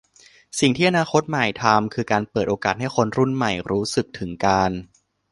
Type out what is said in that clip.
สิ่งที่อนาคตใหม่ทำคือการเปิดโอกาสให้คนรุ่นใหม่รู้สึกถึงการ